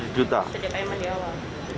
di dp di awal